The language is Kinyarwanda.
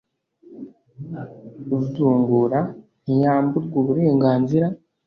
uzungura ntiyamburwa uburenganzira